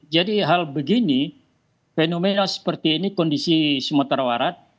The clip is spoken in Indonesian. jadi hal begini fenomena seperti ini kondisi sumatera barat